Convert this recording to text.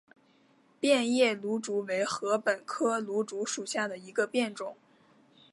变叶芦竹为禾本科芦竹属下的一个变种。